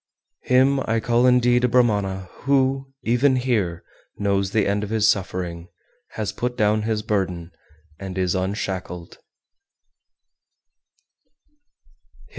402. Him I call indeed a Brahmana who, even here, knows the end of his suffering, has put down his burden, and is unshackled.